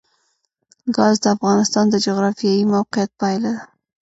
ګاز د افغانستان د جغرافیایي موقیعت پایله ده.